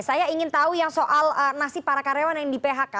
saya ingin tahu yang soal nasib para karyawan yang di phk